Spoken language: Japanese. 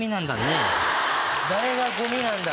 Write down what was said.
誰がゴミなんだ？